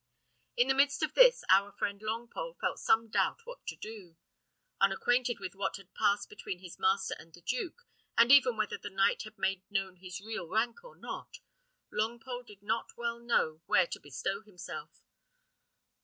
In the midst of this, our friend Longpole felt some doubt what to do. Unacquainted with what had passed between his master and the duke, and even whether the knight had made known his real rank or not, Longpole did not well know where to bestow himself.